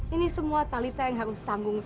ini semua talita yang harus tanggung jawab